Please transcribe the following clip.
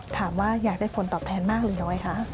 ถามว่าอยากได้ผลตอบแทนมากหรือน้อยคะ